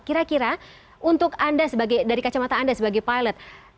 kira kira untuk anda sebagai dari kacamata anda sebagai pilot